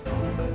aku mau ke rumah